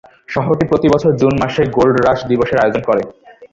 শহরটি প্রতি বছর জুন মাসে গোল্ড রাশ দিবসের আয়োজন করে।